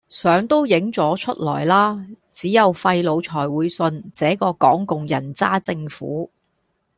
相都影咗出來啦！只有廢腦才會信這個港共人渣政府